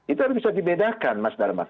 itu bisa dibedakan mas darman